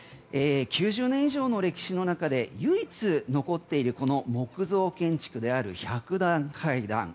９０年以上の歴史の中で唯一、残っているこの木造建築である百段階段。